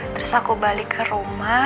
terus aku balik ke rumah